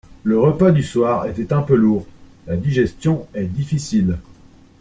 Le repas du soir était un peu lourd, la digestion est difficile.